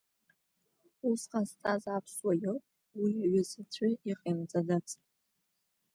Ус ҟазҵаз аԥсуа иоуп, уи аҩыза аӡәы иҟаимҵаӡацт.